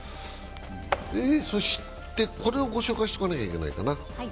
そしてこれをご紹介しておかなきゃいけないかな。